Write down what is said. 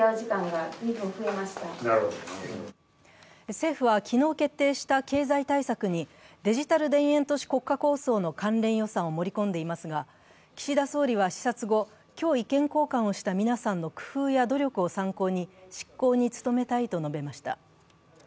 政府は昨日決定した経済対策にデジタル田園都市国家構想の関連予算を盛り込んでいますが岸田総理は視察後、今日、意見交換をした皆さんの工夫や努力を参考に執行に努めたいと述べました。